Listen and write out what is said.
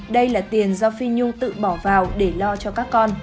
đây là tiền do phi nhung tự bỏ vào để lo cho các con